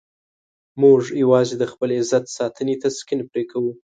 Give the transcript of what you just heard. موږ یوازې د خپل عزت ساتنې تسکین پرې کوو.